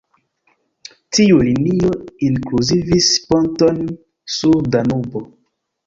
Tiu linio inkluzivis ponton sur Danubo.